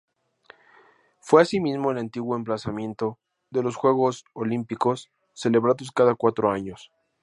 Fue así mismo el antiguo emplazamiento de los Juegos Olímpicos, celebrados cada cuatro años.